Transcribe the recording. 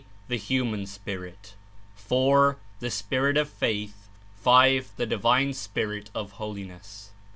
The human spirit; 4. The Spirit of Faith; 5. The Divine Spirit of Holiness.